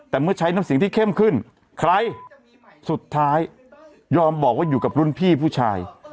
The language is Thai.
แต่เมื่อใช้น้ำเสียงที่เข้มขึ้นใครสุดท้ายยอมบอกว่าอยู่กับรุ่นพี่ผู้ชาย